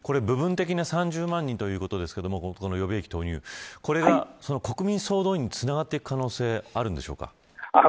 部分的に３０万人ということですが予備役、これは国民総動員につながっていく可能性、あるんでしょうか。